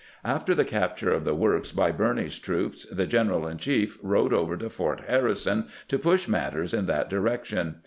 After the capture of the works by Birney's troops, the general in chief rode over to Fort Harrison to push matters in that direction.